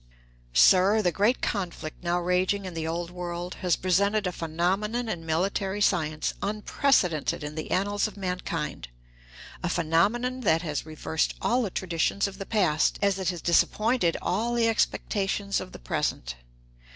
Sir, the great conflict now raging in the Old World has presented a phenomenon in military science unprecedented in the annals of mankind a phenomenon that has reversed all the traditions of the past as it has disappointed all the expectations of the present.